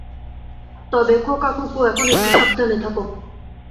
তবে খোকাখুকু, এখন একটু সাবধানে থাক।